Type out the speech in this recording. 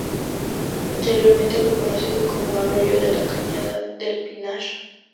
Anteriormente fue conocido como arroyo de la cañada del pinar.